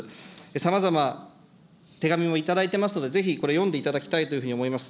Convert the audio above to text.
さまざま、手紙を頂いていますので、ぜひこれ、読んでいただきたいというふうに思います。